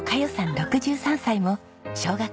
６３歳も小学校の先生。